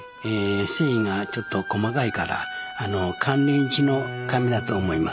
繊維がちょっと細かいから寒冷地の紙だと思います。